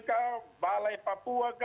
ke balai papua